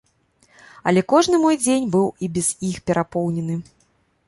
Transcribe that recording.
Але кожны мой дзень быў і без іх перапоўнены.